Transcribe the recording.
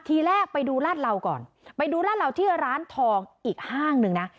ทีแรกไปดูลาดเหล่าก่อนไปดูลาดเหล่าที่ร้านทองอีกห้างหนึ่งนะ